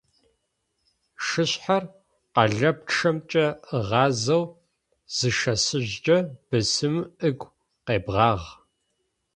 Шышъхьэр къэлапчъэмкӏэ ыгъазэу зышэсыжькӏэ, бысымым ыгу къебгъагъ.